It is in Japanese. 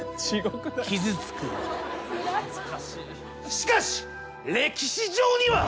しかし歴史上には。